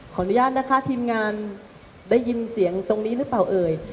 ขออนุญาตนะคะทีมงานได้ยินเสียงตรงนี้หรือเปล่าเอ่ย